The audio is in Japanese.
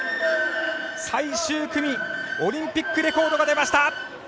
最終組オリンピックレコードが出ました。